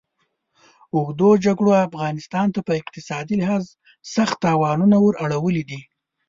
اوږدو جګړو افغانستان ته په اقتصادي لحاظ سخت تاوانونه ور اړولي دي.